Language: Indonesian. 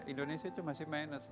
indonesia itu masih minus